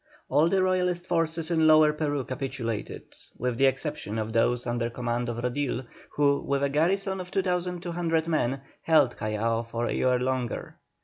All the Royalist forces in Lower Peru capitulated, with the exception of those under command of Rodil, who with a garrison of 2,200 men, held Callao for a year longer.